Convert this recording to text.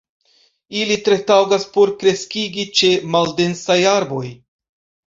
Ili tre taŭgas por kreskigi ĉe maldensaj arboj.